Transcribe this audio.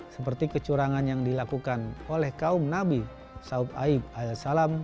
seperti kecurangan yang dilakukan oleh kaum nabi sa'ub aib as